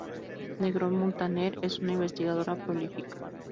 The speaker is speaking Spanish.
Negrón-Muntaner es una investigadora prolífica.